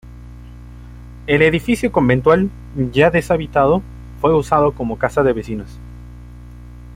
El edificio conventual, ya deshabitado, fue usado como casa de vecinos.